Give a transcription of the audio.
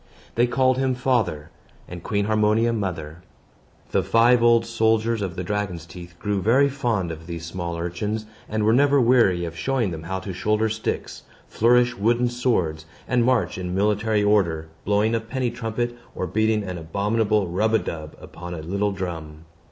They called him father, and Queen Harmonia mother. The five old soldiers of the dragon's teeth grew very fond of these small urchins, and were never weary of showing them how to shoulder sticks, flourish wooden swords, and march in military order, blowing a penny trumpet, or beating an abominable rub a dub upon a little drum.